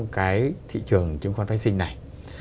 cái thị trường chứng khoán vệ sinh này